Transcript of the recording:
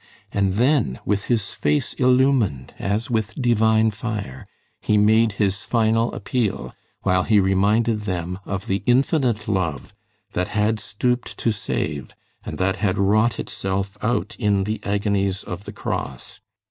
And then, with his face illumined as with divine fire, he made his final appeal, while he reminded them of the Infinite love that had stooped to save, and that had wrought itself out in the agonies of the cross.